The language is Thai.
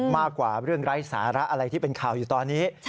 มากกว่าเรื่องไร้สาระอะไรที่เป็นข่าวอยู่ตอนนี้